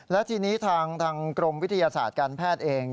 และทีนี้ทางกรมวิทยาศาสตร์การแพทย์เอง